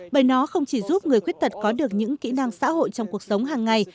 bởi nó không chỉ giúp người khuyết tật có được những kỹ năng xã hội trong cuộc sống hàng ngày